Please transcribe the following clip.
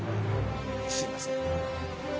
すいません。